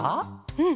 うん。